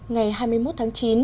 ngày hai mươi một tháng chín